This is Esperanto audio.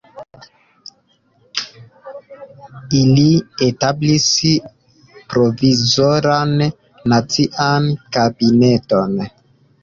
Ili establis Provizoran Nacian Kabineton.